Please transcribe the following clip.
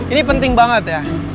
ini penting banget ya